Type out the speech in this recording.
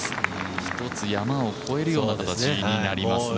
１つ山を越えるような形になりますね。